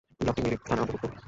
ব্লকটি মিরিক থানার অন্তর্গত।